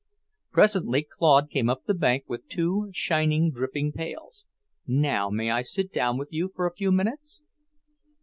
Presently Claude came up the bank with two shining, dripping pails. "Now may I sit down with you for a few minutes?"